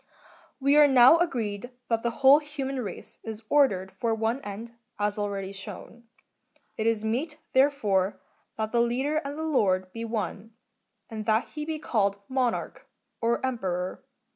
3.'We are now agreed that the whole human race is ordered for one end, as already shown. It is meet, therefore, that the leader and lord be one, and that he be called Monarch, or Emperor.